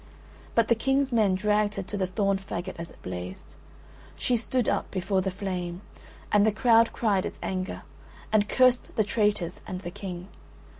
But the King's men dragged her to the thorn faggot as it blazed. She stood up before the flame, and the crowd cried its anger, and cursed the traitors and the King.